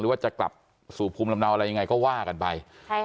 ว่าจะกลับสู่ภูมิลำเนาอะไรยังไงก็ว่ากันไป